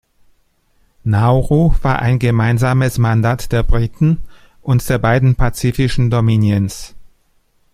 Nauru war ein gemeinsames Mandat der Briten und der beiden pazifischen Dominions.